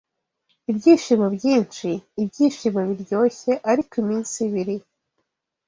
Ibyishimo byinshi! Ibyishimo biryoshye, ariko iminsi ibiri